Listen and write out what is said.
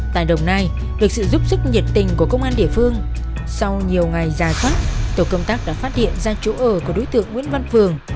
tại đồng nai được sự giúp sức nhiệt tình của công an địa phương sau nhiều ngày ra soát tổ công tác đã phát hiện ra chỗ ở của đối tượng nguyễn văn phường